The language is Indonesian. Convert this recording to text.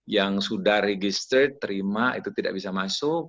yang sudah register terima itu tidak bisa masuk